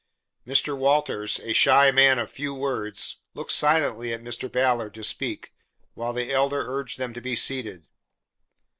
Mr. Walters, a shy man of few words, looked silently at Mr. Ballard to speak, while the Elder urged them to be seated.